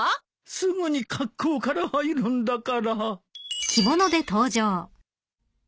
すぐに格好から入るんだから。